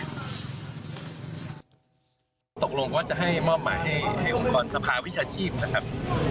มาตกลงว่าจะให้รบหมายให้องค์กรสภาพพิชาชีพนะครับ